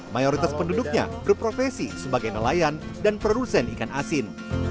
mayoritas penduduknya berprofesi sebagai nelayan dan produsen ikan asin